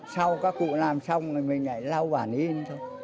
sau các cụ làm xong rồi mình lại lau bản in thôi